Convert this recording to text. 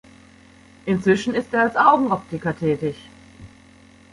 Inzwischen ist er als Augenoptiker tätig.